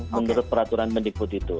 menurut peraturan mendikbud itu